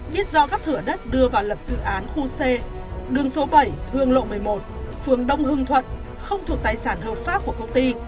biết do các thửa đất đưa vào lập dự án khu c đường số bảy hương lộ một mươi một phường đông hưng thuận không thuộc tài sản hợp pháp của công ty